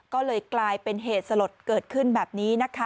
ก็เลยกลายเป็นเหตุสลดเกิดขึ้นแบบนี้นะคะ